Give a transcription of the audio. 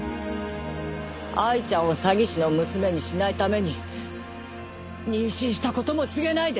藍ちゃんを詐欺師の娘にしないために妊娠したことも告げないで！